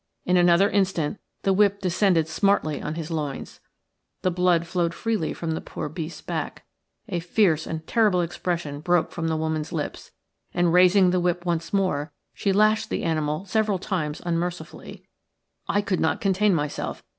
In another instant the whip descended smartly on his loins. The blood flowed freely from the poor beast's back. A fierce and terrible expression broke from the woman's lips, and raising the whip once again she lashed the animal several times unmercifully. I could not contain myself.